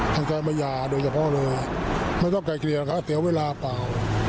ตั้งใจมาหย่าโดยเฉพาะเลยไม่ต้องไกลเชียร์นะคะเสียเวลาเปล่า